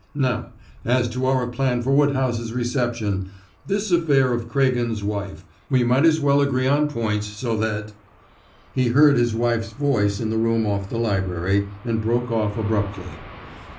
Now, as to our plan for Woodhouse's reception this affair of Craigen's wife; we might as well agree on points, so that " He heard his wife's voice in the room off the library, and broke off abruptly.